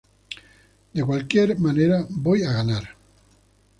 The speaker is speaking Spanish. De cualquier manera voy a ganar.